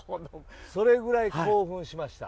それぐらい興奮しました。